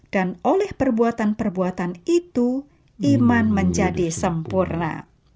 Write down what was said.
dan oleh perbuatan perbuatan itu iman menjadi sempurna